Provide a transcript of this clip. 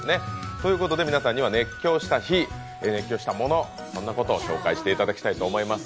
そういうことで皆さんには熱狂した日、物をそんなことを紹介していただきたいと思います。